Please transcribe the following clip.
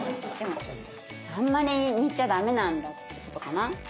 あんまり煮ちゃダメなんだってことかな？